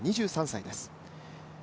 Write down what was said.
２３歳です。